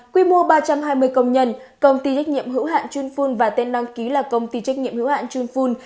trong hai mươi công nhân công ty trách nhiệm hữu hạn chunfun và tên đăng ký là công ty trách nhiệm hữu hạn chunfun